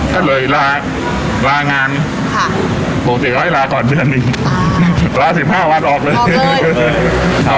ก็เลยลาลางานค่ะส่วนเตียกก็ให้ลาก่อนเดือนนี้โอ้ถ้าสิบห้าวันออกเลยอ่า